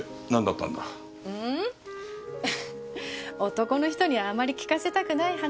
男の人にはあまり聞かせたくない話。